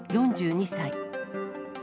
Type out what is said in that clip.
４２歳。